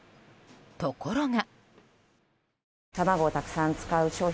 ところが。